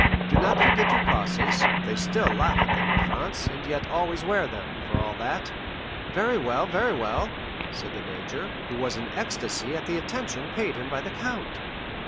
Do not forget your crosses. They still laugh at them in France, and yet always wear them, for all that." "Very well, very well," said the major, who was in ecstasy at the attention paid him by the count.